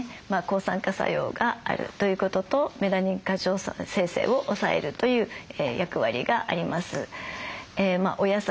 抗酸化作用があるということとメラニン過剰生成を抑えるという役割があります。